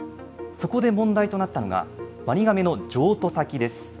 そこで問題となったのが、ワニガメの譲渡先です。